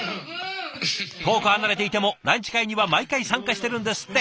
遠く離れていてもランチ会には毎回参加してるんですって。